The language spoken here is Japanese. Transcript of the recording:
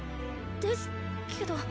ですけど。